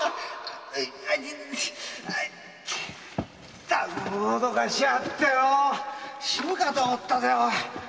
ったく脅かしやがってよ死ぬかと思ったぜ。